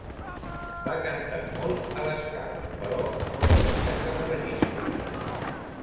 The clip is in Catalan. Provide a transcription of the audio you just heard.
Va cantar molt a La Scala però no va deixar cap registre.